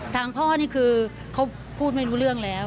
ทางพ่อนี่คือเขาพูดไม่รู้เรื่องแล้ว